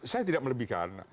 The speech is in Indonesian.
saya tidak melebihkan